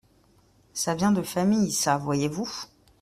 Ca vient de famille, ça, voyez-vous !